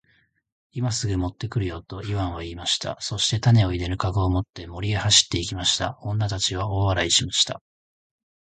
「今すぐ持って来るよ。」とイワンは言いました。そして種を入れる籠を持って森へ走って行きました。女たちは大笑いしました。